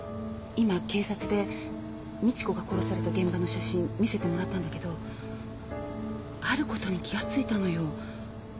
今警察で美智子が殺された現場の写真見せてもらったんだけどあることに気がついたのよ。